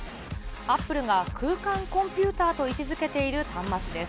アップルが空間コンピューターと位置づけている端末です。